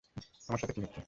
আমার সাথে কি হচ্ছে?